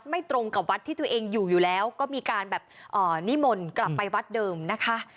ตรงกับวัดที่ตัวเองอยู่อยู่แล้วก็มีการแบบนิมนต์กลับไปวัดเดิมนะคะ